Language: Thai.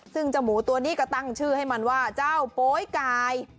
ซึ่งเจ้าหมูตัวนี้ก็ตั้งชื่อให้มันว่าเจ้าโป๊ยกาย